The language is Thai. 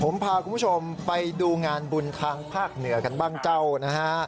ผมพาคุณผู้ชมไปดูงานบุญทางภาคเหนือกันบ้างเจ้านะฮะ